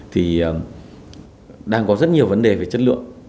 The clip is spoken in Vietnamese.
thì đang có rất nhiều vấn đề về chất lượng